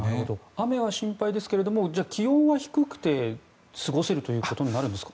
雨は心配ですけどじゃあ気温は低くて過ごせるということになるんですか？